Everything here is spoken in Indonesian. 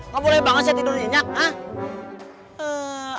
gak boleh banget saya tidur nyenyak ah